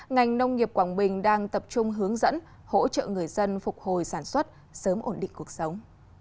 ngành nông nghiệp quảng bình đang tập trung hướng dẫn hỗ trợ người dân phục hồi sản xuất sớm ổn định cuộc sống